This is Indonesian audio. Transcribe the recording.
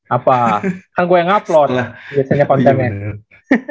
apa kan gue yang upload biasanya kontennya